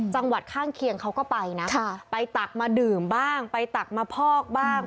จังหวัดข้างเคียงเขาก็ไปนะไปตักมาดื่มบ้างไปตักมาพอกบ้าง